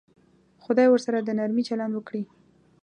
خدای ورسره د نرمي چلند وکړي.